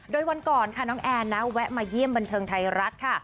โดยวันก่อนค่ะน้องแอนนะแวะมาเยี่ยมบันเทิงไทยรัฐค่ะ